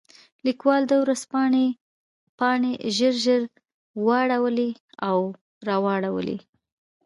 لیکوال د ورځپاڼې پاڼې ژر ژر واړولې او راواړولې.